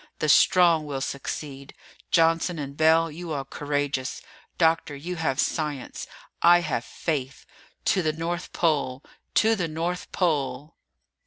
The strong will succeed! Johnson and Bell, you are courageous. Doctor, you have science. I have faith. To the North Pole! To the North Pole!"